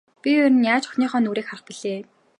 Би ер нь яаж охиныхоо нүүрийг харах билээ.